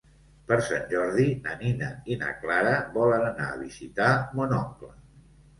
Per Sant Jordi na Nina i na Clara volen anar a visitar mon oncle.